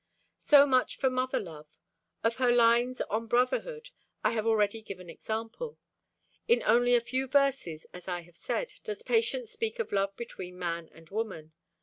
So much for mother love. Of her lines on brotherhood I have already given example. In only a few verses, as I have said, does Patience speak of love between man and woman.